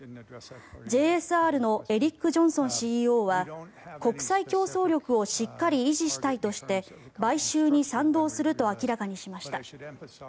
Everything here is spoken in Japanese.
ＪＳＲのエリック・ジョンソンＣＥＯは国際競争力をしっかり維持したいとして買収に賛同すると明らかにしました。